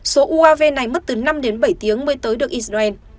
số uav này mất từ năm đến bảy tiếng mới tới được israel